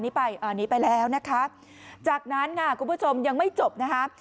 หนีไปแล้วนะคะจากนั้นค่ะคุณผู้ชมยังไม่จบนะคะ